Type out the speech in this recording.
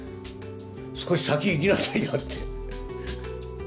少し先へ行きなさいよって。